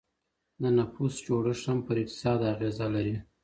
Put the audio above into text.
د نفوس جوړښت هم پر اقتصاد اغېزه لري.